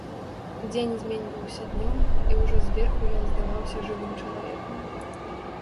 Дзень зменьваўся днём, і ўжо зверху ён здаваўся жывым чалавекам.